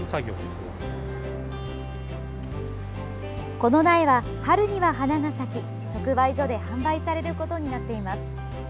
この苗は春には花が咲き直売所で販売されることになっています。